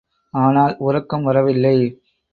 ஆனால் உறக்கம் வரவில்லை.